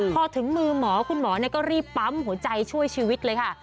พอถึงมือหมอคุณหมอก็รีบปั๊มหัวใจช่วยชีวิตเลยค่ะ